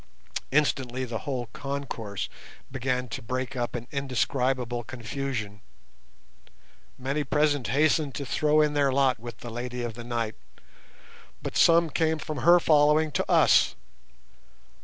Instantly the whole concourse began to break up in indescribable confusion. Many present hastened to throw in their lot with the "Lady of the Night", but some came from her following to us.